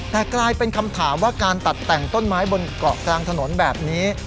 แต่กลายเป็นคำถามว่าการตัดแต่งต้นไม้บนเกาะกลางถนนแบบนี้